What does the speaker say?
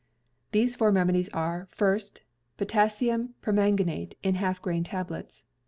These four remedies are: First — Potassium permanganate in half grain tablets.